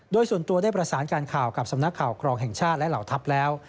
โดยส่วนตัวได้ประสานการข่าวกับสำนักข่าวกรองแห่งชาติและเหล่าทัพแล้ว